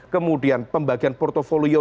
kemudian pembagian portofolio